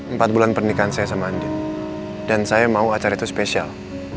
empat bulan pernikahan saya sama andi dan saya mau acara itu spesial